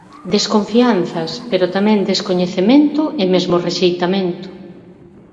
Desconfianzas, pero tamén descoñecemento e mesmo rexeitamento.